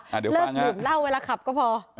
เลิกหลุดเล่าเวลาขับก็พอ